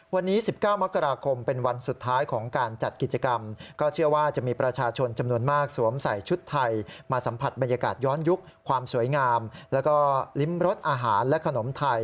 วันนี้๑๙มกราคมเป็นวันสุดท้ายของการจัดกิจกรรม